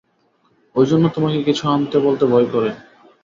ঐ জন্যে তোমাকে কিছু আনতে বলতে ভয় করে।